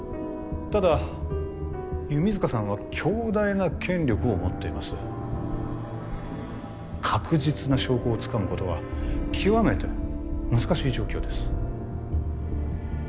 ただ弓塚さんは強大な権力を持っています確実な証拠をつかむことは極めて難しい状況です